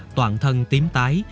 toàn thân tím tái